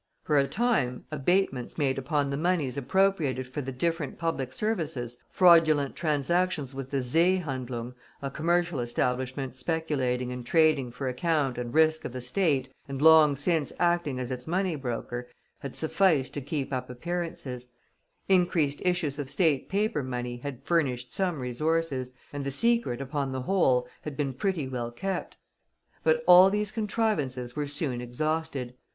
For a time, abatements made upon the moneys appropriated for the different public services, fraudulent transactions with the "Seehandlung," a commercial establishment speculating and trading for account and risk of the State, and long since acting as its money broker, had sufficed to keep up appearances; increased issues of State paper money had furnished some resources; and the secret, upon the whole, had been pretty well kept. But all these contrivances were soon exhausted.